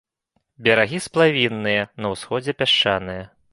Берагі сплавінныя, на ўсходзе пясчаныя.